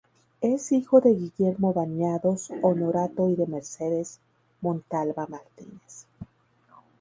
Es hijo de Guillermo Bañados Honorato y de Mercedes Montalva Martínez.